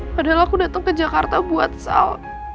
padahal aku datang ke jakarta buat sal